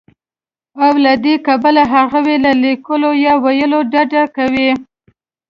او له دې کبله هغوی له ليکلو يا ويلو ډډه کوي